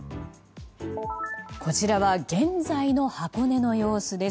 こちらは現在の箱根の様子です。